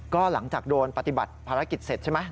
ก็หลังจากโดนปฏิบัติภารกิจเสร็จใช่ไหม